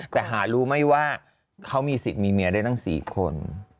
แต่หารู้ไหมว่าเขามีสิทธิ์มีเมียได้ตั้ง๔คน